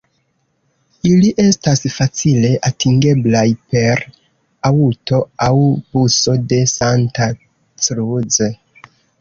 Ili estas facile atingeblaj per aŭto aŭ buso de Santa Cruz.